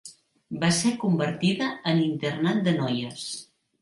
Va ser convertida en internat de noies.